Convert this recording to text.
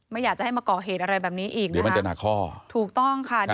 ไม่อยากจะให้มาเกาะเหตุอะไรแบบนี้อีกถูกต้องค่ะ